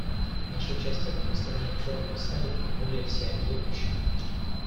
Наше участие в многосторонних форумах станет более всеобъемлющим.